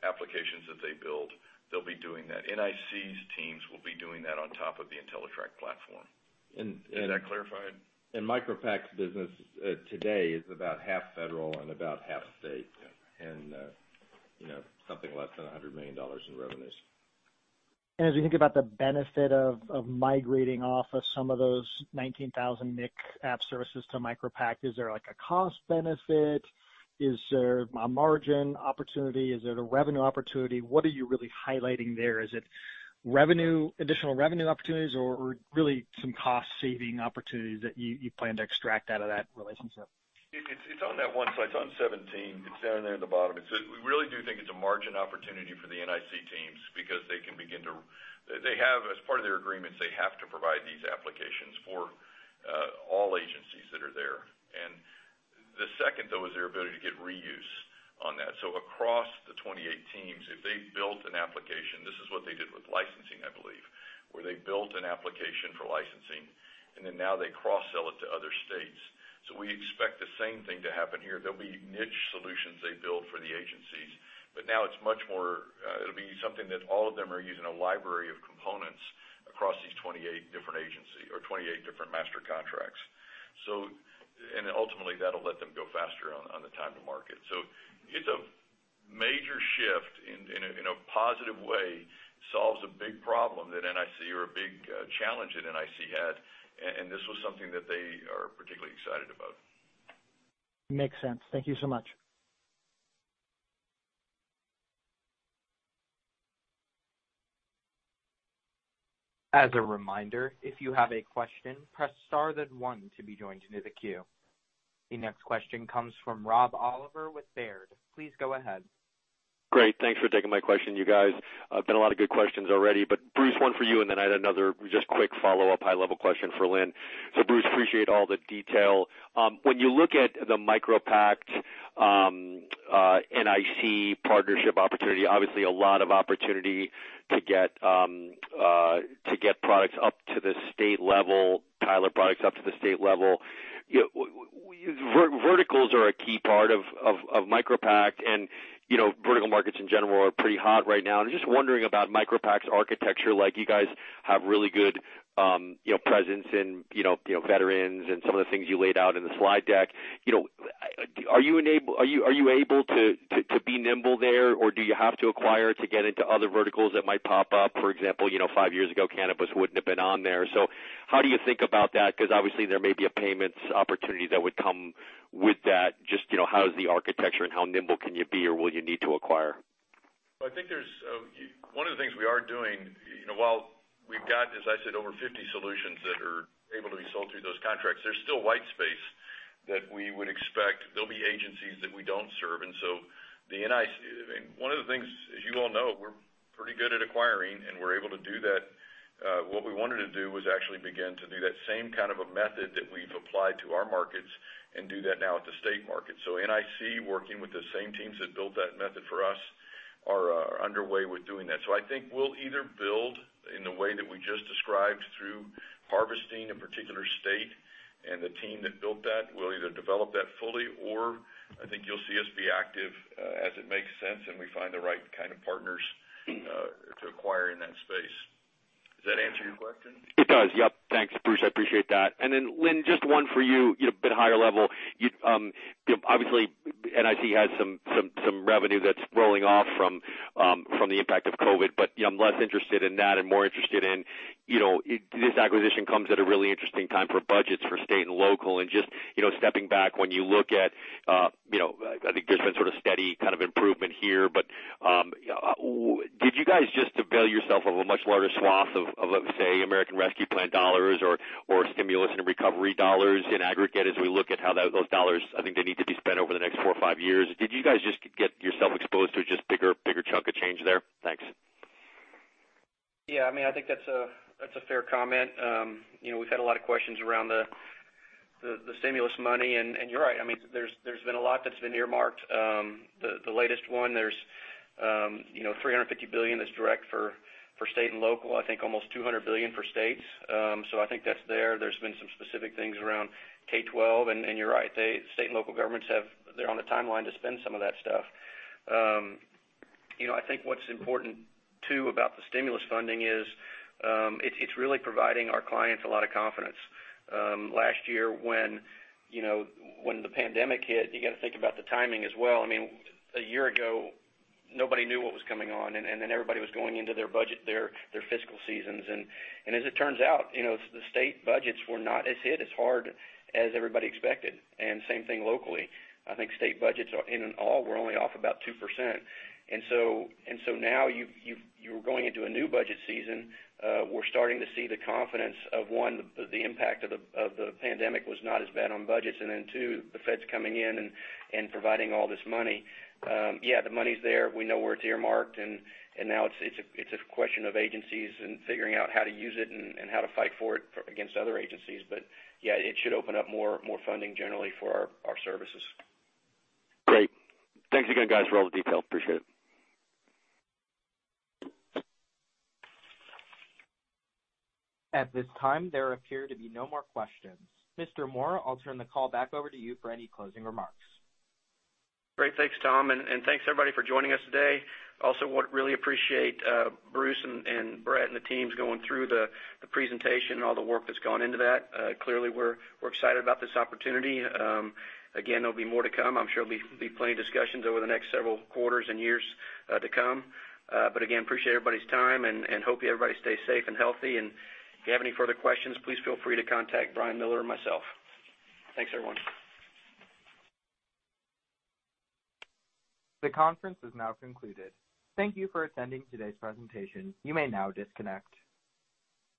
applications that they build. They'll be doing that. NIC's teams will be doing that on top of the entellitrak platform. Does that clarify it? MicroPact's business today is about half federal and about half state, something less than $100 million in revenues. As you think about the benefit of migrating off of some of those 19,000 NIC app services to MicroPact, is there like a cost benefit? Is there a margin opportunity? Is it a revenue opportunity? What are you really highlighting there? Is it additional revenue opportunities or really some cost-saving opportunities that you plan to extract out of that relationship? It's on that one slide. It's on 17. It's down there at the bottom. We really do think it's a margin opportunity for the NIC teams because as part of their agreements, they have to provide these applications for all agencies that are there. The second, though, is their ability to get reuse on that. Across the 28 teams, if they built an application, this is what they did with licensing Where they built an application for licensing, and then now they cross-sell it to other states. We expect the same thing to happen here. There'll be niche solutions they build for the agencies, but now it'll be something that all of them are using, a library of components across these 28 different master contracts. Ultimately, that'll let them go faster on the time to market. It's a major shift in a positive way, solves a big problem or a big challenge that NIC had, and this was something that they are particularly excited about. Makes sense. Thank you so much. As a reminder, if you have a question, press star then one to be joined into the queue. The next question comes from Rob Oliver with Baird. Please go ahead. Great. Thanks for taking my question, you guys. There's been a lot of good questions already, Bruce, one for you, and then I had another just quick follow-up high-level question for Lynn. Bruce, appreciate all the detail. When you look at the MicroPact-NIC partnership opportunity, obviously a lot of opportunity to get pilot products up to the state level. Verticals are a key part of MicroPact, and vertical markets in general are pretty hot right now. I'm just wondering about MicroPact's architecture. You guys have really good presence in veterans and some of the things you laid out in the slide deck. Are you able to be nimble there, or do you have to acquire to get into other verticals that might pop up? For example, five years ago, cannabis wouldn't have been on there. How do you think about that? Obviously there may be a payments opportunity that would come with that. Just how is the architecture and how nimble can you be, or will you need to acquire? I think one of the things we are doing, while we've got, as I said, over 50 solutions that are able to be sold through those contracts, there's still white space that we would expect. There'll be agencies that we don't serve. One of the things, as you all know, we're pretty good at acquiring, and we're able to do that. What we wanted to do was actually begin to do that same kind of a method that we've applied to our markets and do that now at the state market. NIC, working with the same teams that built that method for us, are underway with doing that. I think we'll either build in the way that we just described through harvesting a particular state, and the team that built that will either develop that fully, or I think you'll see us be active as it makes sense and we find the right kind of partners to acquire in that space. Does that answer your question? It does, yep. Thanks, Bruce. I appreciate that. Lynn, just one for you, a bit higher level. Obviously, NIC has some revenue that's rolling off from the impact of COVID, but I'm less interested in that and more interested in this acquisition comes at a really interesting time for budgets for state and local. Just stepping back, when you look at, I think there's been steady improvement here, but did you guys just avail yourself of a much wider swath of, let's say, American Rescue Plan dollars or stimulus and recovery dollars in aggregate as we look at how those dollars I think they need to be spent over the next four or five years? Did you guys just get yourself exposed to just bigger chunk of change there? Thanks. Yeah, I think that's a fair comment. We've had a lot of questions around the stimulus money. You're right. There's been a lot that's been earmarked. The latest one, there's $350 billion that's direct for state and local, I think almost $200 billion for states. I think that's there. There's been some specific things around K-12. You're right. State and local governments are on the timeline to spend some of that stuff. I think what's important too about the stimulus funding is it's really providing our clients a lot of confidence. Last year when the pandemic hit, you got to think about the timing as well. A year ago, nobody knew what was coming on. Everybody was going into their budget, their fiscal seasons. As it turns out, the state budgets were not hit as hard as everybody expected, and same thing locally. I think state budgets in all were only off about 2%. Now you're going into a new budget season. We're starting to see the confidence of, one, the impact of the pandemic was not as bad on budgets, and then two, the feds coming in and providing all this money. Yeah, the money's there. We know where it's earmarked, and now it's a question of agencies and figuring out how to use it and how to fight for it against other agencies. Yeah, it should open up more funding generally for our services. Great. Thanks again, guys, for all the detail. Appreciate it. At this time, there appear to be no more questions. Lynn Moore, I'll turn the call back over to you for any closing remarks. Great. Thanks, Tom, and thanks everybody for joining us today. Also want to really appreciate Bruce and Bret and the teams going through the presentation and all the work that's gone into that. Clearly, we're excited about this opportunity. Again, there'll be more to come. I'm sure there'll be plenty of discussions over the next several quarters and years to come. Again, appreciate everybody's time, and hopefully everybody stays safe and healthy. If you have any further questions, please feel free to contact Brian Miller or myself. Thanks, everyone. The conference is now concluded. Thank you for attending today's presentation. You may now disconnect.